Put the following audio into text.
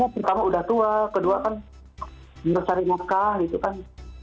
pertama udah tua kedua kan bersari maka gitu kan